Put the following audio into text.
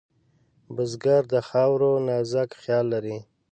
بزګر د خاورو نازک خیال لري